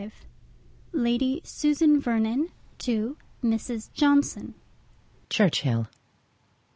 V Lady Susan Vernon to Mrs. Johnson. Churchhill.